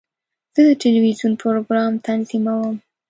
زه د ټلویزیون پروګرام تنظیموم.